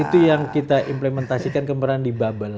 itu yang kita implementasikan kemarin di babel ya